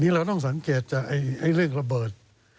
เนี่ยเราต้องสังเกตจะไอไอเรื่องระเบิด